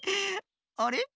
あれ？